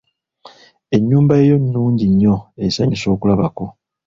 Ennyumba yo nnungi nnyo esanyusa okulabako.